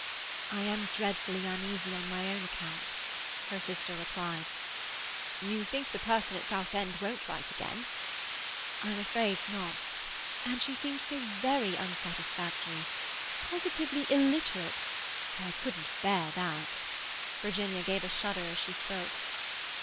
"I am dreadfully uneasy on my own account," her sister replied. "You think the person at Southend won't write again?" "I'm afraid not. And she seemed so very unsatisfactory. Positively illiterate—oh, I couldn't bear that." Virginia gave a shudder as she spoke.